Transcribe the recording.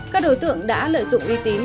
các đối tượng đã lợi dụng uy tín